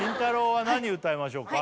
は何歌いましょうか？